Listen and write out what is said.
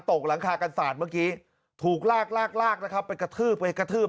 ตกหลังคากรรษรเมื่อกี้ถูกรากรากรากไปกระทืบไปกระทืบ